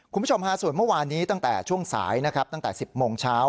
คุณผู้ชมฮะส่วนเมื่อวานนี้ตั้งแต่ช่วงสายนะครับตั้งแต่๑๐โมงเช้า